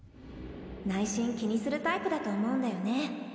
内心気にするタイプだと思うんだよね。